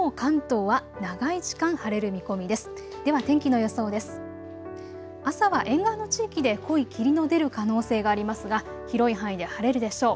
朝は沿岸の地域で濃い霧の出る可能性がありますが広い範囲で晴れるでしょう。